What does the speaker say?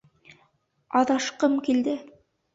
Аҙашҡым килде